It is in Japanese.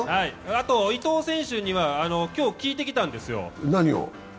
あと伊藤選手には今日、聞いてきたんですよ。